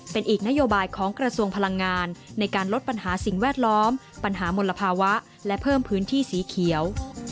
เป็นอีกนโยบายของกระทรวงพลังงานในการลดปัญหาสิ่งแวดล้อมปัญหามลภาวะและเพิ่มพื้นที่สีเขียว